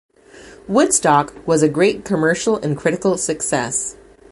"Woodstock" was a great commercial and critical success.